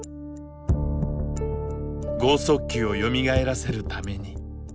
豪速球をよみがえらせるために。